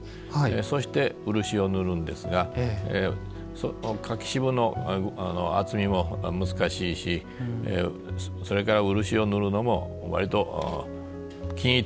そして漆を塗るんですがその柿渋の厚みも難しいしそれから漆を塗るのも割と均一に塗るのが難しいです。